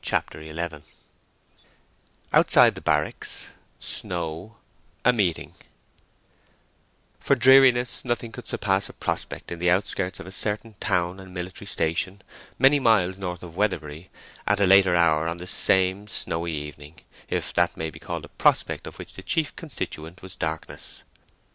CHAPTER XI OUTSIDE THE BARRACKS—SNOW—A MEETING For dreariness nothing could surpass a prospect in the outskirts of a certain town and military station, many miles north of Weatherbury, at a later hour on this same snowy evening—if that may be called a prospect of which the chief constituent was darkness.